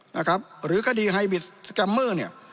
นะครับหรือคดีไฮบิทสแกมเมอร์เนี่ย